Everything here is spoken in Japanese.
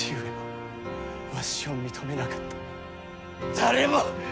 誰も！